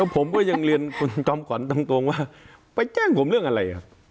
ผมก็ยังเรียนคุณจอมขวัญตรงว่าไปแจ้งผมเรื่องอะไร